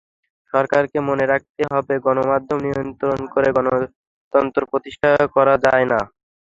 সরকারকে মনে রাখতে হবে, গণমাধ্যম নিয়ন্ত্রণ করে গণতন্ত্র প্রতিষ্ঠা করা যায় না।